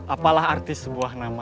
apalah artis sebuah nama